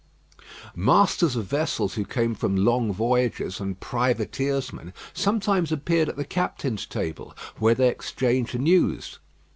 Masters of vessels who came from long voyages and privateersmen sometimes appeared at the captains' table, where they exchanged news.